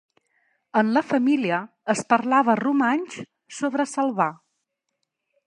En la família es parlava romanx sobreselvà.